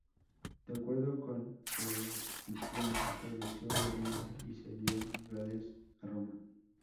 De acuerdo con Escipión, estableció la alianza, y cedió Gades a Roma.